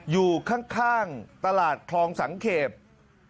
อยู่ข้างตลาดคลองสังเกต